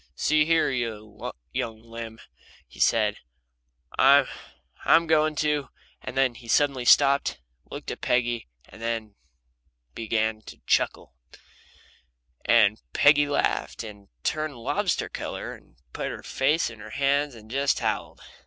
"See here, you young limb," he said, "I'm I'm going to " and then he suddenly stopped and looked at Peggy and began to chuckle, and Peggy laughed and turned lobster color, and put her face in her hands and just howled.